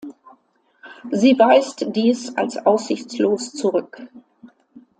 Sie weist dies als aussichtslos zurück.